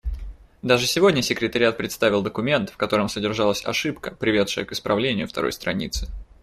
Даже сегодня секретариат представил документ, в котором содержалась ошибка, приведшая к исправлению второй страницы.